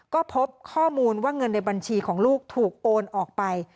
ก็พบข้อมูลว่าเงินในบัญชีของลูกถูกโอนออกไป